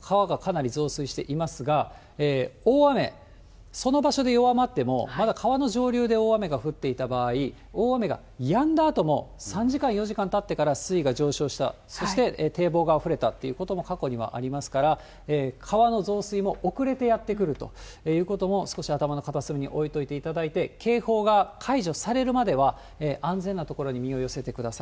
川がかなり増水していますが、大雨、その場所で弱まっても、まだ川の上流で大雨が降っていた場合、大雨がやんだあとも、３時間、４時間たってから水位が上昇した、そして堤防があふれたということも過去にはありますから、川の増水も遅れてやってくるということも、少し頭の片隅に置いておいていただいて、警報が解除されるまでは、安全な所に身を寄せてください。